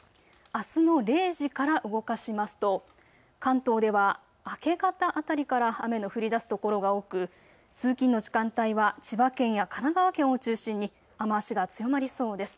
あすの０時から動かしますと、関東では明け方辺りから雨の降りだす所が多く通勤の時間帯は千葉県や神奈川県を中心に雨足が強まりそうです。